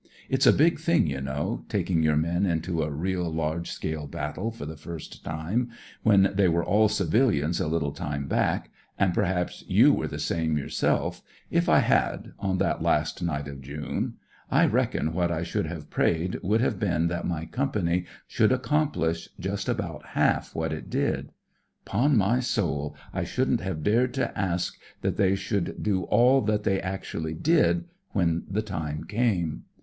It's a big thing, you know, taking your men into a real large scale battle for the first time, when they were all civilians a little time back, and perhaps you were the same yourself— if I had, on that last night of June, I reckon what I should have prayed would have been that my Company should accomplish just about half what it did. Ton my soul, I shouldn't have dared SPIRIT OF BRITISH SOLDIER 25 to ask that they should do all that they actually did when the time came.